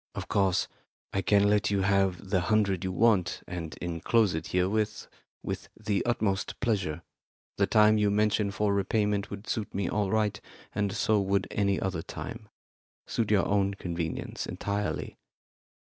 Of course, I can let you have the hundred you want, and enclose it herewith with the utmost pleasure. The time you mention for repayment would suit me all right, and so would any other time. Suit your own convenience entirely.